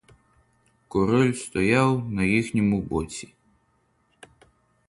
Король стояв на їхньому боці.